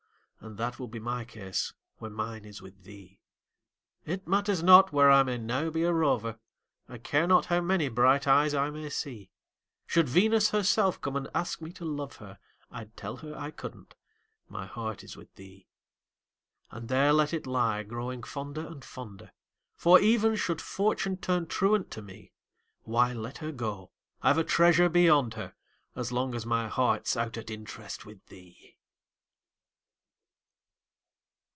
And that will be my case when mine is with thee. It matters not where I may now be a rover, I care not how many bright eyes I may see; Should Venus herself come and ask me to love her, I'd tell her I couldn't my heart is with thee. And there let it lie, growing fonder and, fonder For, even should Fortune turn truant to me, Why, let her go I've a treasure beyond her, As long as my heart's out at interest With thee!